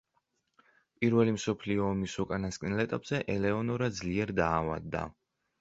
პირველი მსოფლიო ომის უკანასკნელ ეტაპზე ელეონორა ძლიერ დაავადდა.